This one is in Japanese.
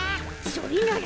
それなら。